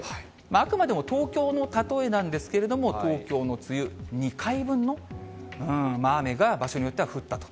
あくまでも東京の例えなんですけれども、東京の梅雨２回分の雨が、場所によっては降ったと。